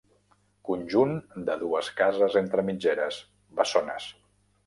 Conjunt de dues cases entre mitgeres, bessones.